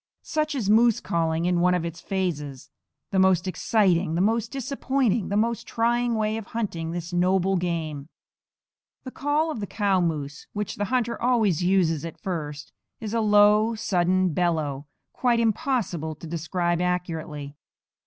Such is moose calling, in one of its phases the most exciting, the most disappointing, the most trying way of hunting this noble game. The call of the cow moose, which the hunter always uses at first, is a low, sudden bellow, quite impossible to describe accurately.